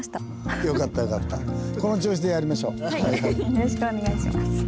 よろしくお願いします。